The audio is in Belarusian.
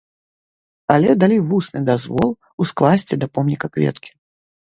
Але далі вусны дазвол ускласці да помніка кветкі.